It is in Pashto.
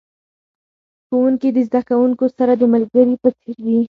ښوونکي د زده کوونکو سره د ملګري په څیر دي.